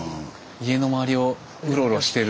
家の周りをうろうろしてる。